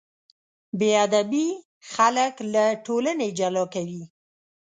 بېادبي خلک له ټولنې جلا کوي.